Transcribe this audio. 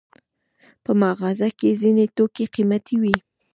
په مغازه کې ځینې توکي قیمته وي.